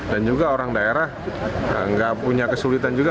dan juga orang daerah nggak punya kesulitan juga